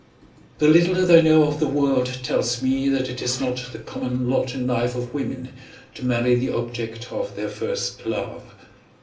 The little that I know of the world tells me that it is not the common lot in life of women to marry the object of their first love.